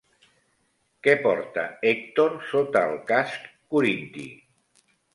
Què porta Hèctor sota el casc corinti?